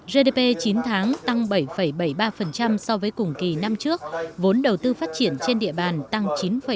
gdp chín tháng tăng bảy bảy mươi ba so với cùng kỳ năm trước vốn đầu tư phát triển trên địa bàn tăng chín bảy